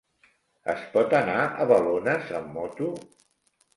Es pot anar a Balones amb moto?